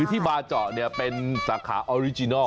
ที่บาเจาะเป็นสาขาออริจินัล